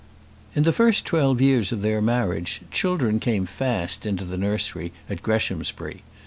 In the first twelve years of their marriage, children came fast into the nursery at Greshamsbury.